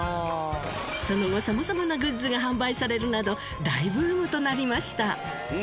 その後様々なグッズが販売されるなど大ブームとなりました。